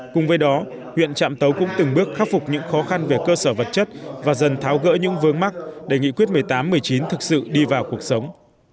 cùng với đó huyện trạm tấu cũng từng bước khắc phục những khó khăn về cơ sở vật chất và dần tháo gỡ những vướng mắt để nghị quyết một mươi tám một mươi chín thực sự đi vào cuộc sống